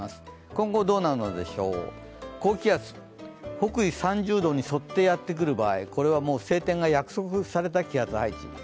今後、高気圧、北緯３０度に沿ってやってくる場合これはもう晴天が約束された気圧配置。